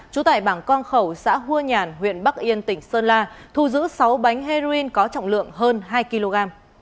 trú tại bảng con khẩu xã hua nhàn huyện bắc yên tỉnh sơn la thu giữ sáu bánh heroin có trọng lượng hơn hai kg